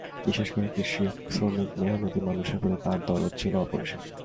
বিশেষ করে কৃষক শ্রমিক মেহনতি মানুষের প্রতি তাঁর দরদ ছিল অপরিসীম।